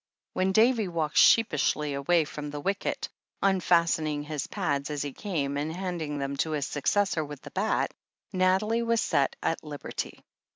When Davy walked sheepishly away from the wicket, unfastening his pads as he came and handing them to his successor with the bat, Nathalie was set at liberty.